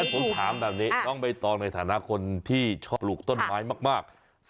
ถ้าคุณถามแบบนี้ต้องไปตอบในฐานาคมที่ชอบปลูกต้นไม้มาก